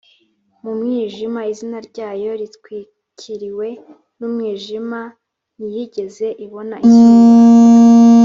Mu mwijima izina ryayo ritwikiriwe n umwijima m ntiyigeze ibona izuba